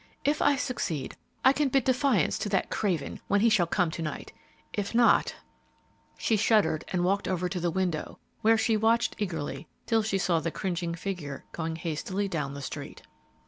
If I succeed, I can bid defiance to that craven when he shall come to night; if not " she shuddered and walked over to the window, where she watched eagerly till she saw the cringing figure going hastily down the street.